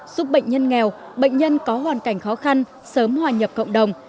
giúp bệnh nhân nghèo bệnh nhân có hoàn cảnh khó khăn sớm hòa nhập cộng đồng